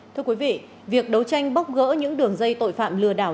thưa quý vị việc đấu tranh bóc gỡ những đường dây tội phạm lừa đảo